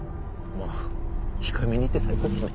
まぁ控えめに言って最高っすね。